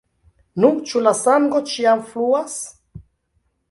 Nu, ĉu la sango ĉiam fluas?